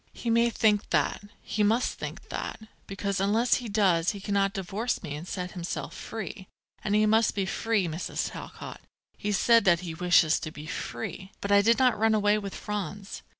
"He may think that; he must think that; because unless he does he cannot divorce me and set himself free, and he must be free, Mrs. Talcott; he has said that he wishes to be free. But I did not run away with Franz.